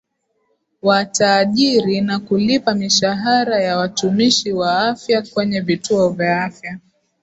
Wataajiri na kulipa mishahara ya watumishi wa afya kwenye vituo vya afya